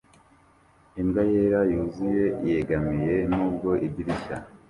Imbwa yera yuzuye yegamiye nubwo idirishya